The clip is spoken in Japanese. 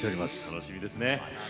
楽しみですね。